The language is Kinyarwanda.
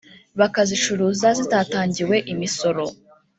bakazicuruza zitatangiwe imisoro